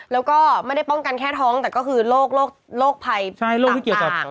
แล้วก็ไม่ได้ป้องกันแค่ท้องแต่ก็คือโรคภัยโรคต่าง